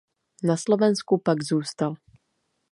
Na Slovensku pak zůstal.